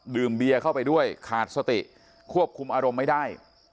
เบียเข้าไปด้วยขาดสติควบคุมอารมณ์ไม่ได้